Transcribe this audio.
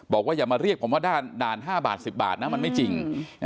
อย่ามาเรียกผมว่าด่าน๕บาท๑๐บาทนะมันไม่จริง